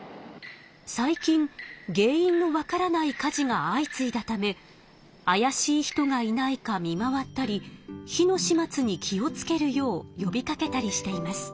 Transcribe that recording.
最近原因のわからない火事が相次いだためあやしい人がいないか見回ったり火の始末に気をつけるようよびかけたりしています。